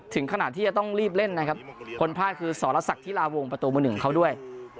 ถึงขนาดที่จะต้องรีบเล่นนะครับคนพลาดคือสรษักธิลาวงประตูมือหนึ่งเขาด้วย